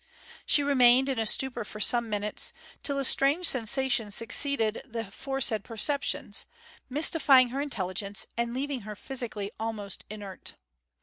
She remained in a stupor for some minutes, till a strange sensation succeeded the aforesaid perceptions, mystifying her intelligence, and leaving her physically almost inert.